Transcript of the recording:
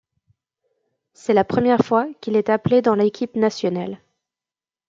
C'est la première fois qu'il est appelé dans l'équipe nationale.